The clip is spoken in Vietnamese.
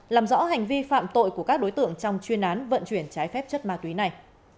làm rõ hành vi phạm tội của các đối tượng trong chuyên án vận chuyển trái phép chất ma túy này